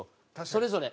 それぞれ。